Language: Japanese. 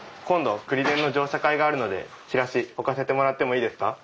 今度くりでんの乗車会があるのでチラシ置かせてもらってもいいですか？